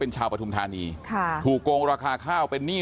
เป็นชาวปธุมธานีค่ะถูกโกงราคาข้าวไปหนี้